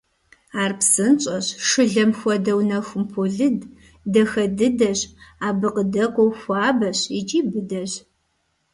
Ар псынщӀэщ, шылэм хуэдэу нэхум полыд, дахэ дыдэщ, абы къыдэкӀуэу хуабэщ икӀи быдэщ.